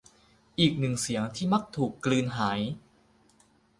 อีกหนึ่งเสียง ที่มักถูกกลืนหาย